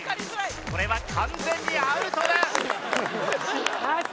これは完全にアウトです！